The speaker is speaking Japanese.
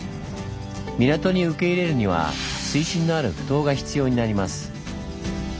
港に受け入れるには「水深のあるふ頭」が必要になります。